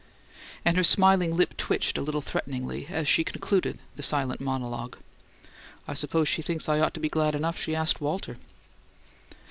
And her smiling lip twitched a little threateningly, as she concluded the silent monologue. "I suppose she thinks I ought to be glad enough she asked Walter!"